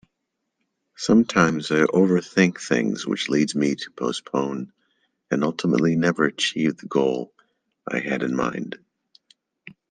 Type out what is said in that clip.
Sometimes I overthink things which leads me to postpone and ultimately never achieve the goal I had in mind.